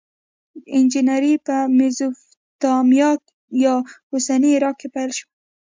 انجنیری په میزوپتامیا یا اوسني عراق کې پیل شوه.